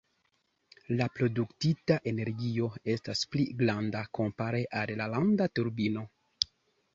La produktita energio estas pli granda kompare al landa turbino.